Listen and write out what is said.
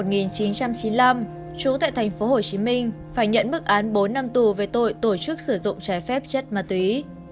trú tại thành phố hồ chí minh phải nhận bức án bốn năm tù về tội tổ chức sử dụng trái phép chất ma túy